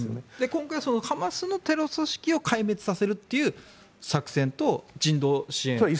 今回そのハマスのテロ組織を壊滅させるという作戦と人道支援。